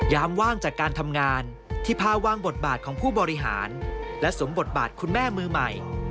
ว่างจากการทำงานที่พาว่างบทบาทของผู้บริหารและสวมบทบาทคุณแม่มือใหม่